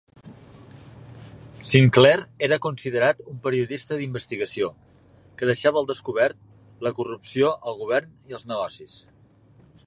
Sinclair era considerat un periodista d'investigació, que deixava al descobert la corrupció al govern i als negocis.